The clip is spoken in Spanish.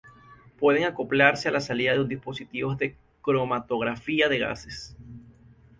Pueden acoplarse a la salida de un dispositivo de cromatografía de gases.